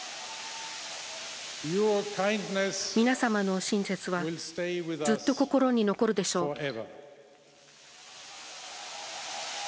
皆様の親切はずっと心に残るでしょう。